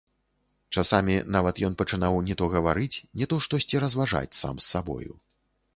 Часамі нават ён пачынаў ні то гаварыць, ні то штосьці разважаць сам з сабою.